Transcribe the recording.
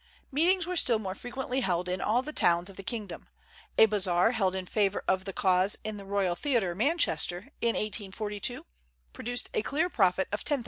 Meetings were still more frequently held in all the towns of the kingdom, A bazaar held in favor of the cause in the Theatre Royal, Manchester, in 1842, produced a clear profit of £10,000.